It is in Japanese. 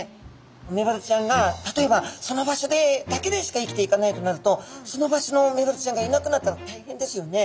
メバルちゃんが例えばその場所でだけでしか生きていかないとなるとその場所のメバルちゃんがいなくなったら大変ですよね？